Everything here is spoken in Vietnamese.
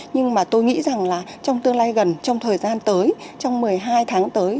nhưng mà tôi nghĩ rằng là trong tương lai gần trong thời gian tới trong một mươi hai tháng tới